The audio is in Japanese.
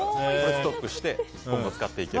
ストックして今後使っていけると。